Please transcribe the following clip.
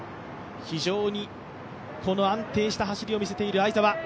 非常に安定した走りを見せている相澤。